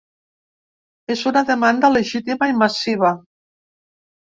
És una demanda legítima, i massiva.